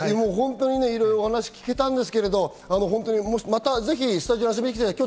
いろいろお話を聞けたんですけど、またぜひスタジオに遊びに来てください。